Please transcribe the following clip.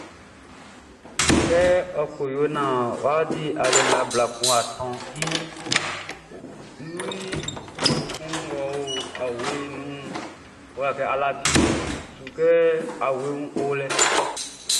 Kɛ ɔ ko yo naan wʼa di aliɛ nga bla kun mɔ i wawɛʼn wʼa tɔʼn, ɔ tɔnʼn, ɔ ti kpa, kɛ n lafi awe nunʼn.